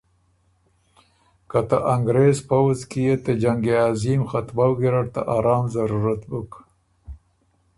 که ته انګرېز پؤځ کی يې ته جنګ عظیم ختمؤ ګیرډ ته ارام ضرورت بُک